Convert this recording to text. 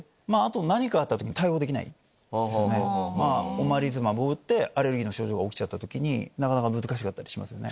オマリズマブを打ってアレルギーの症状が起きた時になかなか難しかったりしますね。